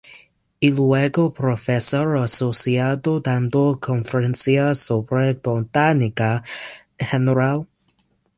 Y luego profesor asociado dando conferencias sobre Botánica general.